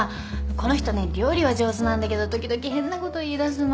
この人ね料理は上手なんだけど時々変なこと言いだすの。